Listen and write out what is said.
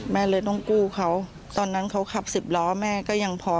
แม่เลยต้องกู้เขาตอนนั้นเขาขับสิบล้อแม่ก็ยังพอ